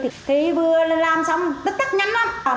thì vừa làm xong tức tức nhanh lắm